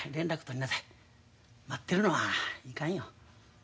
待ってるのはいかんよ。